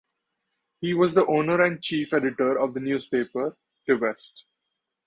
He was the owner and chief editor of the newspaper "De West".